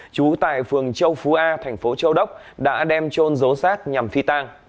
trú tại phường châu phú a thành phố châu đốc đã đem trôn dấu sát nhằm phi tang